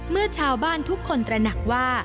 เมื่อชาวบ้านทุกคนตระหนักว่า